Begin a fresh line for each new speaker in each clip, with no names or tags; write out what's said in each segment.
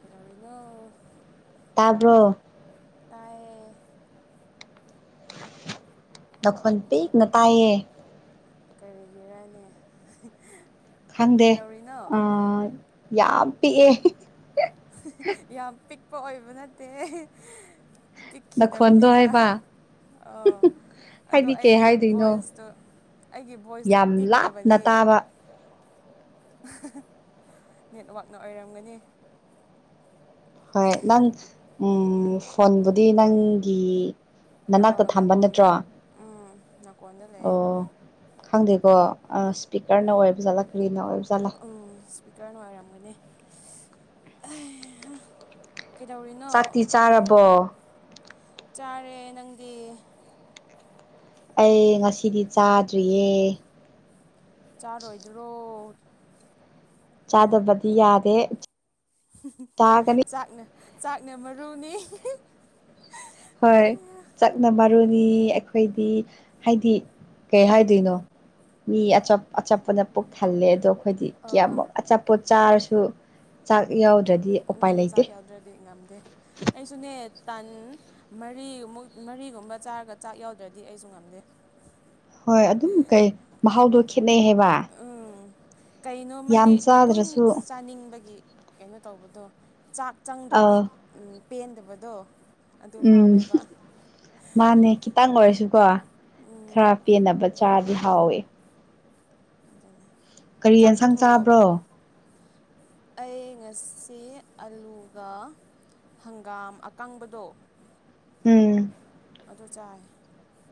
ꯀꯗꯅ
ꯇꯥꯕ꯭ꯔꯣ ꯅꯈꯣꯟꯜ ꯄꯤꯛꯅ ꯇꯥꯏꯌꯦ
ꯑꯣꯏꯒꯦꯔꯥꯅꯦ
ꯈꯪꯗꯦ ꯑ ꯌꯥꯝ ꯄꯤꯛꯑꯦ
ꯌꯥꯝ ꯄꯤꯛꯄ ꯑꯣꯏꯕ ꯅꯠꯇꯦ
ꯅꯈꯣꯟꯗꯣ
ꯄꯤꯛꯈꯤꯗꯕꯅꯤꯗ
ꯍꯥꯏꯕ
ꯑꯣ ꯑꯗꯣ
ꯍꯥꯏꯗꯤ ꯀꯩ
ꯑꯩꯒꯤ
ꯍꯥꯏꯗꯣꯏꯅꯣ
ꯚꯣꯏꯁꯇꯣ ꯑꯩꯒꯤ ꯚꯣꯏꯁꯇꯣ
ꯌꯥꯝ ꯂꯥꯞꯅ
ꯄꯤꯛꯗꯕꯅꯦ
ꯇꯥꯕ
ꯅꯦꯠꯋꯥꯛꯅ ꯑꯣꯏꯔꯝꯒꯅꯤ
ꯍꯣꯏ ꯅꯪ ꯐꯣꯟꯕꯨꯗꯤ ꯅꯪꯒꯤ ꯅꯅꯥꯛꯇ ꯊꯝꯕ
ꯅꯥꯀꯣꯡꯗ
ꯅꯠꯇ꯭ꯔꯣ
ꯎꯝ ꯅꯥꯀꯣꯡꯗ ꯂꯩ
ꯑꯣ ꯈꯪꯗꯦꯀꯣ ꯁ꯭ꯄꯤꯀꯔꯅ ꯑꯣꯏ ꯖꯥꯠꯂꯛꯀ꯭ꯔꯤꯅ ꯑꯣꯏ
ꯎꯝ ꯏꯁꯄꯤꯀꯔ ꯅꯨꯡꯉꯥꯏꯔꯝꯒꯅꯤ
ꯆꯥꯇꯤ ꯆꯥꯔꯕꯣ
ꯆꯥꯔꯦ ꯅꯪꯗꯤ
ꯑꯩ ꯉꯁꯤꯗꯤ ꯆꯥꯗ꯭ꯔꯤꯌꯦ
ꯆꯥꯔꯣꯏꯗ꯭ꯔꯣ
ꯆꯥꯗꯕꯗꯤ ꯌꯥꯗꯦ ꯆꯥꯒꯅꯤ
ꯆꯥꯛꯅ ꯆꯥꯛꯅ ꯃꯔꯨꯅꯤ
ꯍꯣꯏ ꯆꯥꯛꯅ ꯃꯔꯨꯅꯤ ꯑꯩꯈꯣꯏꯗꯤ ꯍꯥꯏꯗꯤ ꯀꯩ ꯍꯥꯏꯗꯣꯏꯅꯣ ꯃꯤ ꯑ ꯑꯆꯥꯄꯅ ꯄꯨꯛ ꯊꯜꯂꯦ ꯑꯗꯣ ꯑꯩꯈꯣꯏꯗꯤ
ꯑꯥ
ꯀꯌꯥꯃꯨꯛ ꯑꯆꯥꯄꯣꯠ ꯆꯥꯔꯁꯨ ꯆꯥꯛ
ꯄꯨꯛ
ꯌꯥꯎꯗ꯭ꯔꯗꯤ
ꯎ
ꯎꯄꯥꯏ ꯂꯩꯇꯦ
ꯆꯥꯛ ꯌꯥꯎꯗ꯭ꯔꯗꯤ ꯉꯝꯗꯦ ꯑꯩꯁꯨꯅꯦ ꯇꯟ ꯃꯔꯤꯃꯨꯛ ꯃꯔꯤꯒꯨꯝꯕ ꯆꯥꯔꯒ ꯆꯥꯛ ꯌꯥꯎꯗ꯭ꯔꯗꯤ ꯑꯩꯁꯨ ꯉꯝꯗꯦ
ꯍꯣꯏ ꯑꯗꯨꯝ ꯀꯩ ꯃꯍꯥꯎꯗꯣ ꯈꯦꯠꯅꯩ ꯍꯥꯏꯕ
ꯀꯩꯅꯣꯃꯗꯤ
ꯌꯥꯝ
ꯑꯗꯨꯝ
ꯆꯥꯗ꯭ꯔꯁꯨ
ꯆꯥꯅꯤꯡꯕꯒꯤ ꯀꯩꯅꯣ ꯇꯧꯕꯗꯣ ꯆꯥꯛ
ꯑ
ꯆꯪꯗ꯭ꯔꯗꯤ ꯎ ꯄꯦꯟꯗꯕꯗꯣ ꯑꯗꯨ
ꯎꯝ
ꯐꯥꯎꯋꯦꯕ
ꯃꯥꯅꯦ ꯈꯤꯇꯪ ꯑꯣꯏꯔꯁꯨꯀꯣ
ꯎꯝ
ꯈꯔ ꯄꯦꯟꯅꯕ ꯆꯥꯗꯤ ꯍꯥꯎꯋꯦ
ꯑꯗꯨꯖ
ꯀꯔꯤ ꯌꯦꯟꯁꯥꯡ ꯆꯥꯕ꯭ꯔꯣ
ꯑꯩ ꯉꯁꯤ ꯑꯂꯨꯒ ꯍꯪꯒꯥꯝ ꯑꯀꯪꯕꯗꯣ
ꯎꯝ
ꯑꯗꯨ ꯆꯥꯏ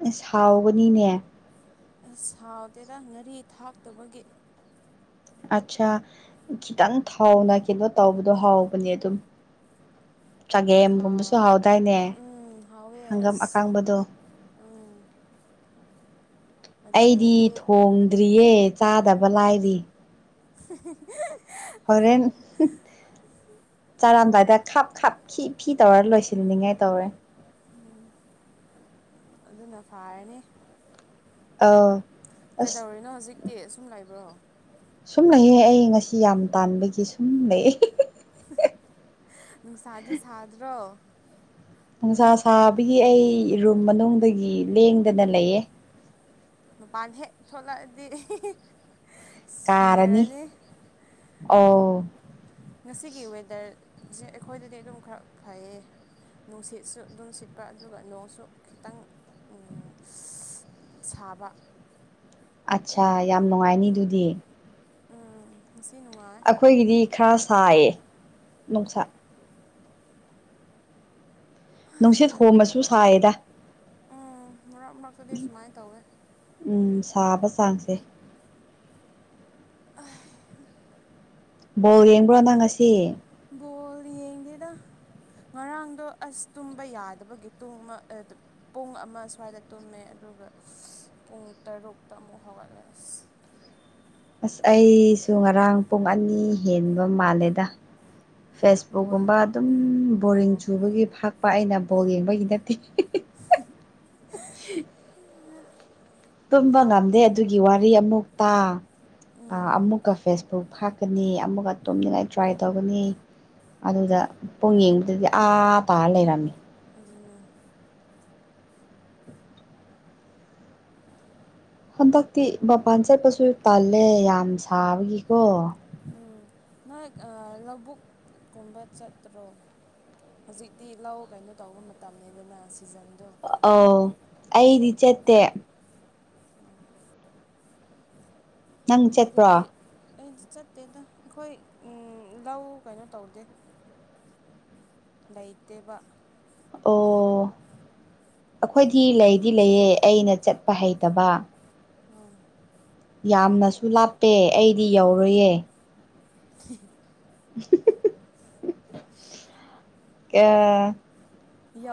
ꯑ ꯁꯥꯎꯒꯅꯤꯅꯦ
ꯑꯁ ꯁꯥꯎꯗꯦꯗ ꯉꯥꯔꯤ ꯊꯥꯛꯇꯕꯒꯤ
ꯑꯠꯆꯥꯥ ꯈꯤꯇꯪ ꯊꯥꯎꯅ ꯀꯩꯅꯣ ꯇꯧꯕꯗꯣ ꯍꯥꯎꯕꯅꯦ ꯑꯗꯨꯝ
[inaudible]
ꯆꯒꯦꯝꯒꯨꯝꯕꯁꯨ
ꯊꯥꯎ
ꯍꯥꯎꯗꯥꯏꯅꯦ
ꯎꯝ
ꯍꯪꯒꯝ ꯑꯀꯥꯡꯕꯗꯣ
ꯑꯣꯝ
ꯑꯩꯗꯤ ꯊꯣꯡꯗ꯭ꯔꯤꯌꯦ ꯆꯥꯗꯕ ꯂꯥꯏꯔꯤ
[inaudible]
ꯍꯣꯔꯦꯟ ꯆꯔꯝꯗꯥꯏꯗ ꯈꯥꯞ ꯈꯥꯞ ꯈꯤ ꯐꯤ ꯇꯧꯔ ꯂꯣꯏꯁꯤꯟꯅꯤꯡꯉꯥꯏ ꯇꯧꯔꯦ
ꯑꯗꯨꯅ ꯐꯥꯔꯅꯤ
ꯑ
ꯀꯩꯗꯧꯔꯤꯅꯣ ꯍꯧꯖꯤꯛꯇꯤ ꯑꯁꯨꯝ ꯂꯩꯕ꯭ꯔꯣ
ꯁꯨꯝ ꯂꯩꯑꯦ ꯑꯩ ꯉꯁꯤ ꯌꯥꯝ ꯇꯥꯟꯕꯒꯤ ꯁꯨꯝ ꯂꯩꯑ
ꯅꯨꯡꯁꯥꯗꯤ ꯁꯥꯗ꯭ꯔꯣ
ꯅꯨꯡꯁꯥ ꯁꯥꯕꯒꯤ ꯑꯩ ꯔꯨꯝ ꯃꯅꯨꯡꯗꯒꯤ ꯂꯦꯡꯗꯅ ꯂꯩꯌꯦ
ꯃꯄꯥꯟ ꯍꯦꯛ ꯊꯣꯛꯂꯛꯑꯗꯤ ꯁꯤꯅꯔꯅꯤ
ꯑꯎ
ꯉꯁꯤꯒꯤ ꯋꯦꯗꯔꯁꯦ ꯑꯩꯈꯣꯏꯗꯗꯤ ꯑꯗꯨꯝ ꯈꯔ ꯐꯩꯌꯦ ꯅꯨꯡꯁꯤꯠꯁꯨ ꯑꯗꯨꯝ ꯁꯤꯠꯄ ꯑꯗꯨꯒ ꯅꯣꯡꯁꯨ ꯈꯤꯇꯪ ꯎꯝ ꯁꯥꯕ
ꯑꯠꯆꯥ ꯌꯥꯝ ꯅꯨꯡꯉꯥꯏꯅꯤ ꯑꯗꯨꯗꯤ
ꯎꯝ ꯉꯁꯤ ꯅꯨꯡꯉꯥꯏ
ꯑꯩꯈꯣꯏꯒꯤꯗꯤ ꯈꯔ ꯁꯥꯏꯌꯦ ꯅꯨꯡꯁꯥ ꯅꯨꯡꯁꯤꯠ ꯍꯣꯝꯃꯁꯨ ꯁꯥꯏꯌꯦꯗ
ꯎꯝ ꯃꯔꯛ ꯃꯔꯛꯇꯗꯤ ꯁꯨꯃꯥꯏꯅ ꯇꯧꯋꯦ
ꯎꯝ ꯁꯥꯕ ꯆꯥꯡꯁꯦ ꯕꯣꯜ ꯌꯦꯡꯕ꯭ꯔꯣ ꯅꯪ ꯉꯁꯤ
ꯌꯦꯡꯁꯦꯗ [unintelligible] ꯉꯔꯥꯡꯗꯣ ꯑꯁ ꯇꯨꯝꯕ ꯌꯥꯗꯕꯒꯤ ꯇꯨꯝ ꯑꯃ ꯑ ꯇꯨꯡ ꯄꯨꯡ ꯑꯃ ꯁ꯭ꯋꯥꯏꯗ ꯇꯨꯝꯃꯦ ꯑꯗꯨꯒ ꯄꯨꯡ ꯇꯔꯨꯛꯇ ꯑꯃꯨꯛ ꯍꯧꯒꯠꯂꯦ ꯑꯁ
ꯑꯁ ꯑꯩꯁꯨ ꯉꯔꯥꯡ ꯄꯨꯡ ꯑꯅꯤ ꯍꯦꯟꯕ ꯃꯥꯜꯂꯦꯗ
ꯕꯣꯜ
ꯐꯦꯁꯕꯨꯛꯀꯨꯝꯕ ꯑꯗꯨꯝ ꯕꯣꯔꯤꯡ
ꯑꯣ
ꯆꯨꯕꯒꯤ ꯐꯥꯛꯄ ꯑꯩꯅ ꯕꯣꯜ ꯌꯦꯡꯕꯒꯤ ꯅꯠꯇꯦ [inaudible] ꯇꯨꯝꯕ ꯉꯝꯗꯦ ꯑꯗꯨꯒꯤ ꯋꯥꯔꯤ ꯑꯃꯨꯛ ꯇ
ꯎꯝ
ꯑꯃꯨꯛꯀ ꯐꯦꯁꯕꯨꯛ ꯊꯥꯛꯀꯅꯤ ꯑꯃꯨꯛꯀ ꯇꯨꯝꯅꯤꯡꯉꯥꯏ ꯇ꯭ꯔꯥꯏ ꯇꯧꯒꯅꯤ ꯑꯗꯨꯗ ꯄꯨꯡ ꯌꯦꯡꯕꯗꯗꯤ ꯑꯥ ꯇꯥꯔ ꯂꯩꯔꯝꯃꯤ
ꯑꯗꯨꯅꯦ [unintelligible]
ꯍꯟꯗꯛꯇꯤ ꯃꯄꯥꯟ ꯆꯠꯄꯁꯨ ꯇꯜꯂꯦ ꯌꯥꯝ ꯁꯥꯕꯒꯤꯀꯣ
ꯎꯝ ꯅꯣꯏ ꯂꯧꯕꯨꯛꯀꯨꯝꯕ ꯆꯠꯇ꯭ꯔꯣ ꯍꯧꯖꯤꯛꯇꯤ ꯂꯧ ꯀꯩꯅꯣ ꯇꯧꯕ ꯃꯇꯝꯅꯤꯗꯅ ꯁꯤꯖꯟꯗꯣ
ꯑꯧ ꯑꯩꯗꯤ ꯆꯠꯇꯦ
ꯑ [unintelligible]
ꯅꯪ ꯆꯠꯄ꯭ꯔꯣ
ꯑꯩꯗꯤ ꯆꯠꯇꯦꯗ ꯑꯩꯈꯣꯏ ꯂꯧ ꯀꯩꯅꯣ ꯇꯧꯗꯦ ꯂꯩꯩꯇꯦꯕ
ꯑꯣ ꯑꯩꯈꯣꯏꯗꯤ ꯂꯩꯗꯤ ꯂꯩ ꯑꯦ ꯑꯩꯅ ꯆꯠꯄ ꯍꯩꯇꯕ
ꯑꯣ
ꯌꯥꯝꯅꯁꯨ ꯂꯥꯞꯄꯦ ꯑꯩꯗꯤ ꯌꯧꯔꯨꯌꯦ
[inaudible]
[inaudible] ꯑ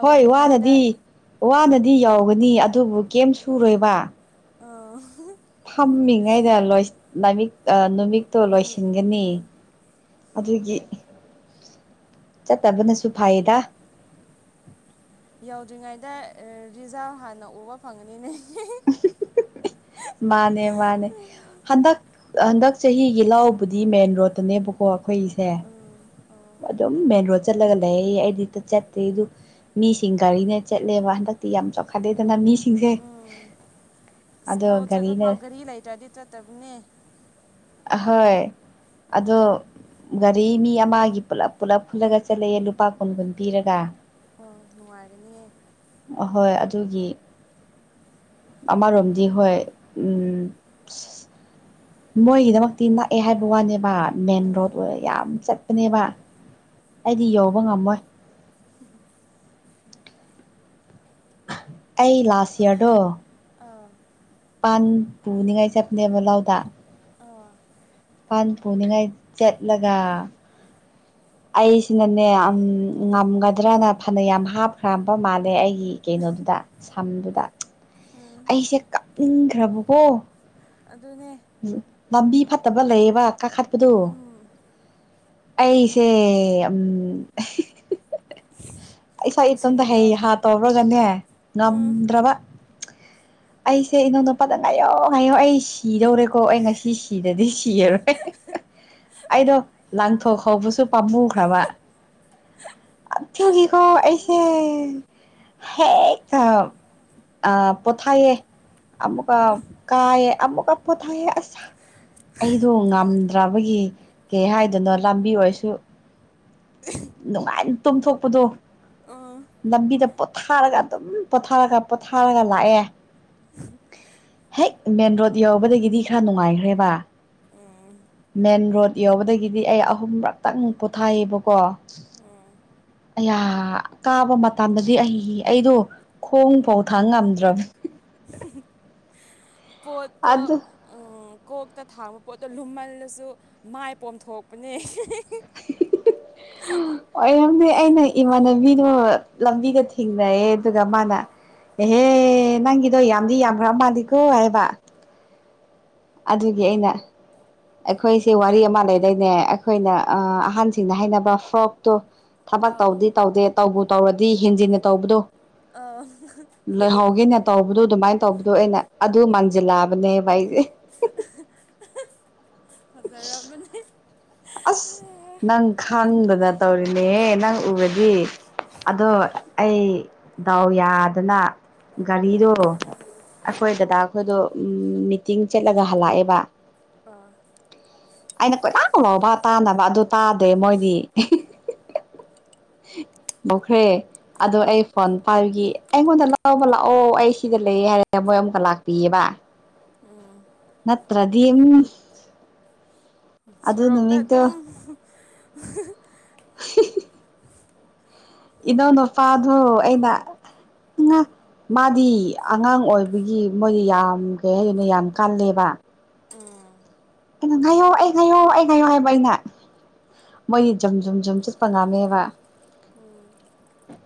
ꯍꯣꯏ ꯋꯥꯗꯗꯤ ꯋꯥꯅꯗꯤ ꯌꯧꯒꯅꯤ ꯑꯗꯨꯕꯨ ꯀꯔꯦꯝ ꯁꯨꯔꯣꯏꯕ
ꯑ
ꯐꯝꯃꯤꯉꯩꯗ ꯂꯣꯏ ꯅꯃꯤꯛ ꯑ ꯅꯨꯃꯤꯠꯇꯣ
ꯅꯨꯃꯤꯠ
ꯂꯣꯏꯁꯤꯟꯒꯅꯤ
ꯎꯝ
ꯑꯗꯨꯒꯤ ꯆꯠꯇꯕꯅꯁꯨ ꯐꯩꯌꯦꯗ
ꯌꯧꯗ꯭ꯔꯤꯉꯩꯗ ꯔꯤꯖꯥꯚ ꯍꯥꯟꯅ ꯎꯕ ꯐꯪꯉꯅꯤꯅꯦ
[inaudible] ꯃꯥꯅꯦ ꯃꯥꯅꯦ ꯍꯟꯗꯛ ꯍꯟꯗꯛ ꯆꯍꯤꯒꯤ ꯂꯧꯕꯨꯗꯤ ꯃꯦꯟ ꯔꯣꯠꯇꯅꯦꯕꯀꯣ ꯑꯩꯈꯣꯏꯁꯦ
ꯎꯝ ꯑꯣ
ꯑꯗꯨꯝ ꯃꯦꯟ ꯔꯣꯗ ꯆꯠꯂꯒ ꯂꯩ ꯑꯩꯗꯤ ꯆꯠꯇꯦ ꯑꯗꯨ ꯃꯤꯁꯤꯡ ꯒꯥꯔꯤꯅ ꯆꯠꯂꯦꯕ ꯍꯟꯗꯛꯇꯤ ꯌꯥꯝ ꯆꯥꯎꯈꯠꯂꯦꯗꯅ ꯃꯤ ꯃꯤꯁꯤꯡꯁꯦ
ꯎꯝ ꯑꯁ
ꯑꯗꯣ
ꯂꯥꯛꯑꯣ ꯆꯠꯂꯣ ꯐꯥꯎ
ꯒꯥꯔꯤꯅ
ꯒꯥꯔꯤ ꯂꯩꯇ꯭ꯔꯗꯤ ꯆꯠꯇꯕꯅꯦ
ꯍꯣꯏ ꯑꯗꯣ ꯒꯥꯔꯤ ꯃꯤ ꯑꯃꯒꯤ ꯄꯨꯂꯞ ꯄꯨꯂꯞ ꯐꯨꯜꯂꯒ ꯆꯠꯂꯛꯑꯦ ꯂꯨꯄꯥ ꯀꯨꯟ ꯀꯨꯟ ꯄꯤꯔꯒ
ꯑꯣ ꯅꯨꯡꯉꯥꯏꯒꯅꯤꯌꯦ
ꯑꯍꯣꯏ ꯑꯗꯨꯒꯤ ꯑꯃꯥ ꯔꯝꯖꯤ ꯍꯣꯏ ꯃꯣꯏꯒꯤꯗꯃꯛꯇꯤ ꯅꯥꯛꯑꯦ ꯍꯥꯏꯕ ꯋꯥꯅꯦꯕ ꯃꯦꯟ ꯔꯣꯗ
ꯎꯝ
ꯑꯣꯏ ꯌꯥꯝ ꯆꯠꯄꯅꯦꯕ ꯑꯩꯗꯤ ꯌꯧꯕ ꯉꯝꯃꯣꯏ
ꯎꯝ
ꯑꯩ ꯂꯥꯁ ꯏꯌꯥꯔꯗꯣ
ꯑꯥ
ꯄꯥꯟ ꯄꯨꯅꯤꯡꯉꯥꯏ ꯆꯞꯅꯦꯕ ꯂꯥꯎꯗ
ꯑꯥ
ꯄꯥꯟ ꯄꯨꯅꯤꯡꯉꯥꯏ ꯆꯠꯂꯒ ꯑꯩꯁꯤꯅꯅꯦ
ꯎꯝ
ꯉꯝꯒꯗ꯭ꯔꯅ ꯐꯅ ꯌꯥꯝ ꯍꯥꯞꯈ꯭ꯔꯕ ꯃꯥꯜꯂꯦ ꯑꯩ ꯒꯤ ꯀꯩꯅꯣꯗꯨꯗ ꯁꯝꯗꯨꯗ
ꯎꯝ
ꯑꯩꯁꯦ ꯀꯥꯞꯅꯤꯡꯈ꯭ꯔꯕꯀꯣ
ꯑꯗꯨꯅꯦ
ꯂꯝꯕꯤ ꯐꯠꯇꯕ ꯂꯩꯌꯦꯕ ꯀꯥꯈꯠꯄꯗꯨ
ꯎꯝ
ꯑꯩꯁꯦ ꯎꯝ ꯑꯩꯥ ꯏꯇꯝꯇ ꯍꯩ
ꯇꯨꯁꯤꯟꯕ꯭ꯔꯣ
ꯍꯥ ꯇꯧꯔꯒꯅꯦ
ꯎꯝ
ꯉꯝꯗꯇ꯭ꯔꯕ ꯑꯩꯁꯦ ꯏꯩꯅꯣꯗ ꯑꯄꯗ ꯉꯥꯏꯌꯣ ꯍꯥꯏꯌꯣ ꯑꯩ ꯁꯤꯗꯧꯔꯦꯀꯣ ꯑꯩ ꯉꯁꯤ ꯁꯤꯗꯗꯤ ꯁꯤꯔꯔꯣꯏ ꯑꯩꯗꯣ ꯂꯥꯡꯊꯣꯛ ꯍꯧꯕꯁꯨ ꯄꯥꯝꯃꯈ꯭ꯔꯕ ꯑꯊ ꯀꯣ ꯑꯩꯁꯦ ꯍꯦꯛ ꯑ ꯑ ꯄꯊꯥꯏꯌꯦ ꯑꯃꯨꯛꯀ ꯀꯥꯏꯌꯦꯦ ꯑꯃꯨꯛꯀ ꯄꯣꯊꯥꯏꯑ ꯑꯁ ꯑꯩꯗꯣ ꯉꯝ ꯅꯠꯇ꯭ꯔꯕꯒꯤ ꯀꯩ ꯍꯥꯏꯗꯣꯏꯅꯣ ꯂꯝꯕꯤ ꯑꯣꯏꯔꯁꯨ ꯅꯨꯡꯉꯥꯏ ꯇꯨꯝꯊꯣꯛꯄꯗꯣ
ꯎꯝ
ꯂꯝꯕꯤꯗ ꯄꯣꯊꯥꯔꯒ ꯑꯗꯨꯝ ꯄꯣꯊꯥꯔꯒ ꯄꯣꯊꯥꯔꯒ ꯂꯥꯛꯑꯦ ꯍꯦꯛ ꯃꯦꯟ ꯔꯣꯗ ꯌꯎꯧꯕꯗꯒꯤꯗꯤ ꯈꯔ ꯅꯨꯡꯉꯥꯏꯈ꯭ꯔꯦꯕ
ꯎꯝ
ꯃꯦꯟ ꯔꯣꯗ ꯌꯧꯕꯗꯒꯤꯗꯤ ꯑꯩ ꯑꯍꯨꯝꯔꯛꯇꯪ ꯄꯣꯊꯥꯏꯑꯕꯀꯣ
ꯎꯝ
ꯀꯥꯕ ꯃꯇꯝꯗꯗꯤ ꯑꯩ ꯑꯩꯗꯣ ꯈꯣꯡꯐꯥꯎ ꯊꯥꯡ ꯉꯝꯗ꯭ꯔꯕ
[inaudible] ꯄꯣꯠꯇꯣ
ꯑꯗꯨ
ꯎꯝ ꯀꯣꯛꯇ ꯊꯥꯡꯕ ꯄꯣꯠꯇꯣ ꯂꯨꯝꯃꯜꯂꯁꯨ ꯃꯥꯏ ꯄꯣꯝꯊꯣꯛꯄꯅꯦ ꯍ
ꯎꯝ ꯑꯣ ꯏꯔꯝꯗꯤ ꯑꯩꯅ ꯏꯃꯥꯟꯅꯕꯤꯗꯨ ꯂꯝꯕꯤꯒ ꯊꯦꯡꯅꯩꯑꯌꯦ ꯑꯗꯨꯒ ꯃꯥꯅ ꯑꯦꯍꯦ ꯅꯪꯒꯤꯗꯣ ꯌꯥꯝꯗꯤ ꯌꯥꯝꯈ꯭ꯔꯕ ꯃꯥꯜꯂꯤꯦꯀꯣ ꯍꯥꯏꯕ ꯑꯗꯨꯒꯤ ꯑꯩꯅ ꯑꯩꯈꯣꯏꯁꯦ ꯋꯥꯔꯤ ꯑꯃ ꯂꯩꯔꯣꯏꯅꯦ ꯑꯩꯈꯣꯏꯅ ꯑꯍꯟꯁꯤꯡꯅ ꯍꯥꯏꯅꯕ ꯐ꯭ꯔꯣꯛꯇꯣ ꯊꯕꯛ
ꯑꯥꯎ
ꯇꯧꯗꯤ ꯇꯧꯗꯦ ꯇꯧꯕ ꯇꯧꯔꯗꯤ ꯍꯦꯟꯖꯤꯟꯅ ꯇꯧꯕꯗꯣ
ꯑꯥꯎ
ꯂꯩꯍꯧꯒꯦꯅꯦ ꯇꯧꯕꯗꯣ ꯑꯗꯨꯃꯥꯏꯅ ꯇꯧꯕꯗꯣ ꯑꯩꯅ ꯑꯗꯨ ꯃꯥꯟꯁꯤꯜꯂꯛꯑꯕꯅꯦꯕ ꯑꯩꯁꯦ
ꯐꯖꯔꯝꯃꯅꯤ
ꯑꯁ ꯅꯪ ꯈꯪꯗꯅ ꯇꯧꯔꯤꯅꯦꯍꯦ ꯅꯪ ꯎꯔ ꯒꯤ ꯑꯗꯣ ꯑꯩ ꯗꯥꯎ ꯌꯥꯗꯅ ꯒꯔꯤꯗꯣ
ꯎꯝ
ꯍꯈꯣꯏ ꯗꯗꯥ ꯑꯩꯈꯣꯏꯗꯣ ꯃꯤꯇꯤꯡ ꯆꯠꯂꯒ ꯍꯜꯂꯛꯑꯦꯕ
ꯑꯣ
ꯑꯩꯅ ꯀꯣꯏꯂꯥꯡ ꯂꯥꯎꯕ ꯇꯥꯅꯕ ꯑꯗꯨ ꯇꯥꯗꯦ ꯃꯣꯏꯗꯤ
[inaudible]
ꯃꯧꯈ꯭ꯔꯦ ꯑꯗꯣ ꯑꯩ ꯐꯣꯟ ꯄꯥꯏꯈꯤ ꯑꯩꯉꯣꯟꯗ ꯂꯕ ꯂꯥꯛꯑꯣ ꯑꯩ ꯁꯤꯗ ꯂꯩ ꯀ ꯍꯥꯏꯔꯦ ꯃꯣꯏ ꯑꯃꯨꯛꯀ ꯂꯥꯛꯄꯤꯌꯦꯕ
ꯎꯝ
[unintelligible]
ꯁꯣꯔꯣꯛꯇ
ꯅꯨꯃꯤꯠꯇꯣ
ꯑꯗꯨꯝ
ꯏꯣꯅꯄꯥꯥ ꯑꯗꯨ ꯑꯩꯅ ꯃꯥꯗꯤ ꯑꯉꯥꯡ ꯑꯣꯏꯕꯒꯤ ꯃꯣꯏꯗꯤ ꯌꯥꯝ ꯀꯩ ꯍꯥꯏꯗꯣꯏꯅꯣ ꯌꯥꯝ ꯀꯜꯂꯦꯕ
ꯑꯥ
ꯀꯩꯅ ꯉꯥꯏꯌꯣ ꯑꯩ ꯉꯥꯏꯌꯣ ꯑꯩ ꯉꯥꯏꯌꯣ ꯍꯥꯏꯕ ꯑꯩꯅ ꯃꯣꯏꯗꯤ ꯖꯨꯝ ꯖꯨꯝ ꯖꯨꯝ ꯆꯠꯄ ꯉꯥꯝꯃꯦꯕ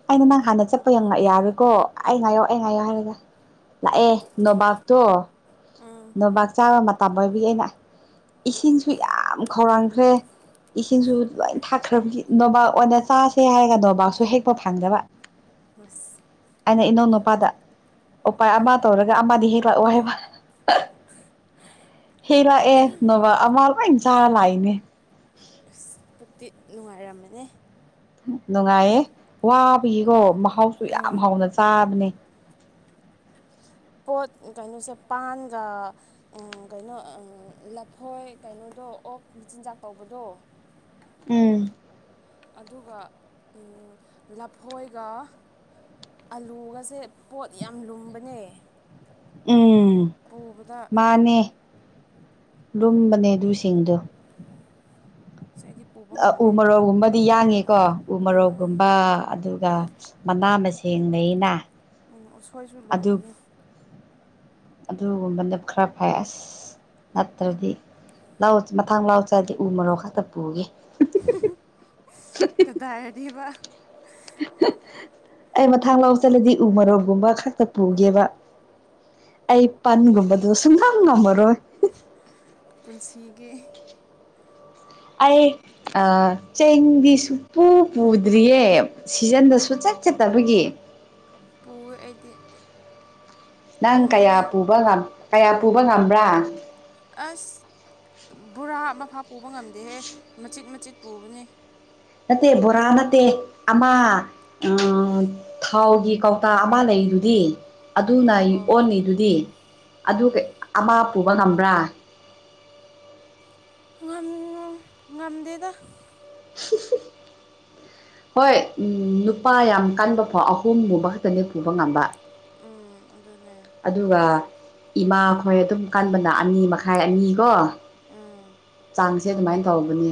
ꯑꯩꯅ ꯅꯪ ꯍꯥꯟꯅ ꯆꯠꯄꯉꯛ ꯌꯥꯔꯨꯀꯣ ꯑꯩ ꯉꯥꯏꯌꯣ ꯑꯩ ꯉꯥꯏꯌꯣ ꯍꯥꯏꯔꯒꯦ ꯂꯥꯛꯑꯦ ꯅꯣꯕꯥꯥꯛꯇꯣ
ꯎꯝ
ꯅꯣꯕꯥꯥꯛ ꯆꯥꯕ ꯃꯇꯝ ꯑꯣꯏꯕꯤ ꯑꯩꯅ ꯏꯁꯤꯡꯁꯨ ꯌꯥꯝ ꯈꯧꯔꯥꯡꯈ꯭ꯔꯦ ꯏꯁꯤꯡꯁꯨ ꯂꯣꯏ ꯊꯥꯛꯈ꯭ꯔꯕꯒꯤ ꯅꯣꯕꯥꯥꯛ ꯑꯣꯏꯅ ꯆꯥꯁꯦ ꯍꯥꯏꯔꯒ ꯅꯣꯕꯥꯥꯛꯁꯨ ꯍꯦꯛꯄ ꯐꯪꯗꯕ
ꯑꯁ
ꯑꯩꯅ ꯏꯅꯧ ꯅꯨꯨꯄꯥꯗ ꯎꯄꯥꯏ ꯑꯃ ꯇꯧꯔꯒ ꯑꯃꯗꯤ ꯍꯦꯛ ꯂꯥꯛꯑꯣ ꯍꯥꯏꯕ ꯆꯔꯥ ꯂꯥꯛꯏꯅꯦ
ꯑꯁ ꯄꯨꯛꯇꯤ ꯅꯨꯡꯉꯥꯏꯔꯝꯃꯅꯦ
ꯅꯨꯡꯉꯥꯏꯌꯦ ꯋꯥꯕꯒꯤꯀꯣ ꯃꯍꯥꯎꯁꯨ ꯌꯥꯝ ꯍꯥꯎꯅ ꯆꯥꯕꯅꯦ
ꯄꯣꯠ ꯀꯩꯅꯣꯁꯦ ꯄꯥꯟꯒ ꯀꯩꯅꯣ ꯂꯐꯣꯏ ꯀꯩꯅꯣ ꯑꯗꯣ ꯑꯣ ꯃꯆꯤꯟꯖꯥꯛ ꯇꯧꯕꯗꯣ
ꯎꯝ
ꯑꯗꯨꯒ ꯂꯐꯣꯏꯒ ꯑꯂꯨꯒꯁꯦ ꯄꯣꯠ ꯌꯥꯝ ꯂꯨꯝꯕꯅꯦ
ꯎꯝ
ꯄꯨꯕꯗ
ꯃꯥꯅꯦ ꯂꯨꯝꯕꯅꯦ ꯑꯗꯨꯁꯤꯡꯗꯨ
ꯑꯁ ꯑꯩꯗꯤ ꯄꯨꯕ ꯉꯝꯗꯦ
ꯑꯗꯨꯗꯤ ꯌꯥꯡꯉꯤꯀꯣ ꯎ ꯃꯔꯣꯛꯒꯨꯝꯕ ꯑꯗꯨꯒ ꯃꯅꯥ ꯃꯁꯤꯡ ꯂꯩꯅ
ꯎꯝ ꯎꯁꯣꯏꯁꯨ
ꯑꯗꯨ
ꯂꯨꯝꯕꯅꯤ
ꯑꯗꯨꯒꯨꯝꯕꯅ ꯈꯔ ꯐꯩ ꯑꯁ ꯅꯠꯇ꯭ꯔꯗꯤ ꯂ ꯃꯊꯥꯡ ꯂꯥꯎ ꯆꯔꯗꯤ ꯎ ꯃꯔꯣꯛ ꯈꯛꯇ ꯄꯨꯒꯦ
[unintelligible] ꯀꯗꯔꯗꯤꯕꯥ
ꯑꯩ ꯃꯊꯥꯡ ꯂꯧ ꯆꯠꯂꯗꯤ ꯎ ꯃꯔꯣꯛꯒꯨꯝꯕ ꯈꯛꯇ ꯄꯨꯒꯦꯕ ꯑꯩ ꯄꯟꯒꯨꯝꯕꯗ ꯁꯨꯡꯅꯝ ꯉꯝꯃꯔꯣꯏ
ꯄꯨꯟꯁꯤꯒꯤ
ꯑꯩ ꯆꯦꯡꯗꯤ ꯁ ꯄꯨꯨ ꯄꯨꯗ꯭ꯔꯤꯌꯦ ꯁꯤꯖꯟꯗꯁꯨ ꯆꯠ ꯆꯠꯇꯕꯒꯤ
ꯄꯨꯌꯦ ꯑꯩꯗꯤ
ꯅꯪ ꯀꯌꯥ
ꯂꯨꯝꯕꯅꯦ
ꯄꯨꯕ ꯀꯌꯥ ꯄꯨꯕ ꯉꯝꯕ꯭ꯔꯥ
ꯑꯁ ꯕꯣꯔꯥ ꯑꯃꯐꯥ ꯄꯨꯕ ꯉꯝꯗꯦꯍꯦ ꯃꯆꯤꯠ ꯃꯆꯤꯠ ꯄꯨꯕꯅꯦ
ꯅꯠꯇꯦ ꯕꯣꯔꯥ ꯅꯠꯇꯦ ꯑꯃ ꯊꯥꯎꯒꯤ ꯀꯧꯇꯥ ꯑꯃ ꯂꯩ ꯑꯩꯗꯨꯗꯤ ꯑꯗꯨꯅ
ꯑꯧ ꯑꯧ
ꯑꯣꯟꯂꯤꯗꯨꯗꯤ ꯑꯗꯨꯒ ꯑꯃ ꯄꯨꯕ ꯉꯝꯕ꯭ꯔꯥ
ꯉꯝ ꯉꯝꯗꯦꯗ
[unintelligible] ꯍꯣꯏ ꯅꯨꯄꯥ ꯌꯥꯝ ꯀꯟꯕ ꯐꯥꯎ ꯑꯍꯨꯝ ꯃꯨꯕ ꯈꯛꯇꯅꯦ ꯄꯨꯕ ꯉꯝꯕ
ꯎꯝ ꯑꯗꯨꯗꯅꯦ
ꯑꯗꯨꯒ ꯏꯃꯥꯈꯣꯏ ꯑꯗꯨꯝ ꯀꯥꯟꯕꯅ ꯑꯅꯤ ꯃꯈꯥꯏ ꯑꯅꯤꯀꯣ
ꯑꯝ
ꯇꯥꯡꯁꯦ ꯑꯗꯨꯃꯥꯏꯅ ꯇꯧꯕꯅꯤ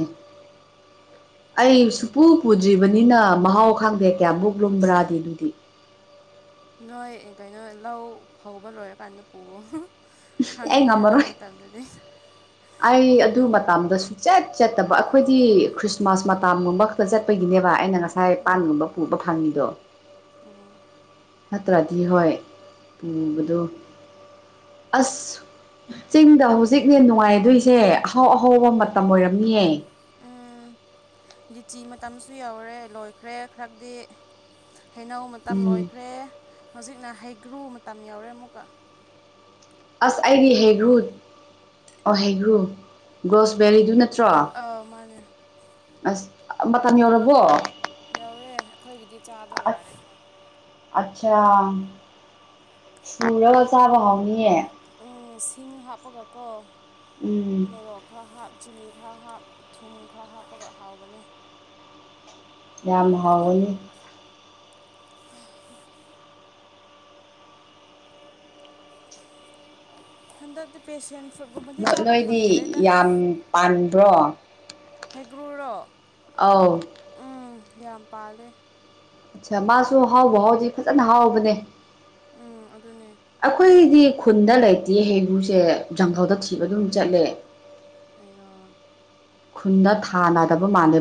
ꯑꯩ ꯁꯨꯄꯨ ꯄꯨꯗ꯭ꯔꯤꯕꯅꯤꯅ ꯃꯍꯥꯎ ꯈꯥꯡꯗꯦ ꯀꯌꯥꯃꯛ ꯂꯨꯝꯕ꯭ꯔꯥꯗꯤ ꯑꯗꯨꯗꯤ
ꯅꯣꯏ ꯀꯩꯅꯣ ꯂꯧ ꯐꯧꯕ ꯂꯣꯏꯔꯀꯥꯟꯗ ꯄꯨꯑꯣ
ꯑꯩ
ꯈꯪꯉꯅꯤ ꯑꯗꯨꯒꯤ
ꯉꯝꯃꯔꯣꯏ
ꯃꯇꯝꯗꯗꯤ
ꯑꯩ ꯑꯗꯨ ꯃꯇꯝꯗ ꯁꯨꯡꯆꯠ ꯆꯠꯇꯕ ꯑꯩꯈꯣꯏꯗꯤ ꯈ꯭ꯔꯤꯁꯃꯥꯁ ꯃꯇꯝꯃꯛꯇ ꯆꯠꯄꯒꯤꯅꯦ ꯑꯦꯕ ꯑꯩꯅ ꯉꯁꯥꯏ ꯄꯥꯟꯒꯨꯝꯕ ꯄꯨꯕ ꯐꯪꯉꯤꯗꯣ
ꯑ
ꯅꯠꯇ꯭ꯔꯗꯤ ꯍꯣꯏ ꯄꯨꯕꯗꯨ ꯑꯁ ꯆꯤꯡꯗ ꯍꯧꯖꯤꯛꯅꯦ ꯅꯨꯡꯉꯥꯏꯗꯣꯏꯁꯦ ꯑꯍꯥꯎ ꯑꯍꯥꯎꯕ ꯃꯇꯝ ꯑꯣꯏꯔꯝꯅꯤꯌꯦ
ꯎꯝ ꯂꯤꯆꯤ ꯃꯇꯝꯁꯨ ꯌꯧꯔꯦ ꯂꯣꯏꯈ꯭ꯔꯦ ꯈꯔꯗꯤ ꯍꯩꯅꯧ ꯃꯇꯝ
ꯎꯝ
ꯂꯣꯏꯈ꯭ꯔꯦ ꯍꯧꯖꯤꯛꯅ ꯍꯩꯒ꯭ꯔꯨ ꯃꯇꯝ ꯌꯥꯎꯔꯦ ꯑꯃꯨꯛꯀ
ꯑꯁ ꯑꯩꯗꯤ ꯍꯩꯒ꯭ꯔꯨ ꯑꯣ ꯍꯩꯒ꯭ꯔꯨ ꯒ꯭ꯔꯣꯁꯕꯦꯔꯤꯗꯨ ꯅ
ꯑ ꯃꯥꯅꯦ
ꯑꯁ ꯃꯇꯝ ꯌꯧꯔꯕꯣ
ꯌꯧꯔꯦ ꯑꯩꯈꯣꯏꯒꯤꯗꯤ ꯆꯥꯕ ꯌꯥꯔꯦ ꯈꯔ
[unintelligible] ꯥꯍꯥꯎꯅꯤꯌꯦ
ꯎꯝ ꯁꯤꯡ ꯍꯥꯞꯄꯒꯀꯣ
ꯎꯝ
ꯃꯣꯔꯣꯛ ꯈꯔ ꯍꯥꯞ ꯆꯤꯅꯤ ꯈꯔ ꯍꯥꯞ ꯊꯨꯝ ꯈꯔ ꯍꯥꯞꯄꯒ ꯍꯥꯎꯕꯅꯦ
ꯌꯥꯝ ꯍꯥꯎꯅꯤ
ꯍꯟꯗꯗꯤ ꯄꯦꯁꯦꯟ ꯐ꯭ꯔꯨꯠꯀꯨꯝꯕꯗꯤ ꯆꯥꯕ
ꯅꯣꯏꯗꯤ
ꯐꯪꯗ꯭ꯔꯦꯗ
ꯌꯥꯝ ꯄꯥꯟꯕ꯭ꯔꯣ
ꯍꯦꯄ꯭ꯔꯨꯔꯣ
ꯑꯧ
ꯌꯥꯝ ꯄꯥꯜꯂꯦ
ꯑꯆꯥ ꯃꯥꯁꯨ ꯍꯥꯎꯕ ꯍꯥꯎꯁꯤ ꯐꯖꯅ ꯍꯥꯎꯕꯅꯦ
ꯎꯝ ꯑꯗꯨꯅꯦ
ꯑꯩꯈꯣꯏꯒꯤꯗꯤ ꯑꯩ ꯈꯨꯟꯗ ꯂꯩꯇꯦ ꯍꯩꯒꯨꯁꯦ ꯖꯪꯒꯜꯗ ꯊꯤꯕ ꯑꯗꯨꯝ ꯆꯠꯂꯦ
ꯑꯣ
ꯈꯨꯟꯅ ꯊꯥꯅꯗꯕ ꯃꯥꯟ